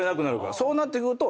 そうなってくると。